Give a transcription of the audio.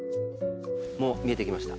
もう見えてきました。